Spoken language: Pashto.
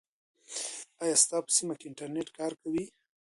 آیا ستا په سیمه کې انټرنیټ کار کوي؟